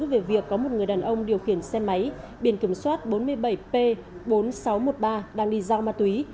về việc có một người đàn ông điều khiển xe máy biển kiểm soát bốn mươi bảy p bốn nghìn sáu trăm một mươi ba đang đi giao ma túy